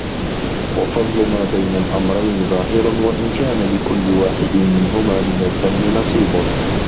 وَفَضْلُ مَا بَيْنَ الْأَمْرَيْنِ ظَاهِرٌ وَإِنْ كَانَ لِكُلِّ وَاحِدٍ مِنْهُمَا مِنْ الذَّمِّ نَصِيبٌ